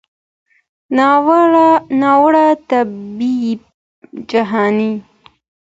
ناوړه طبیب جهاني